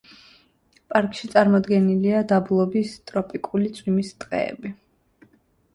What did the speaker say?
პარკში წარმოდგენილია დაბლობის ტროპიკული წვიმის ტყეები.